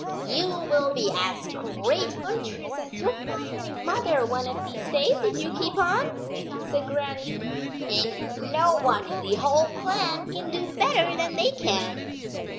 " You will be as great hunters as your father and mother one of these days if you keep on," said Grannie. "And no one in the whole clan can do better than they can.